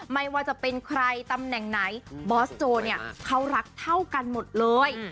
ไม่ว่าจะเป็นใครตำแหน่งไหนบอสโจเนี่ยเขารักเท่ากันหมดเลย